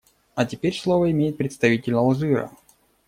А теперь слово имеет представитель Алжира.